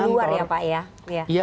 sama seperti di luar ya pak ya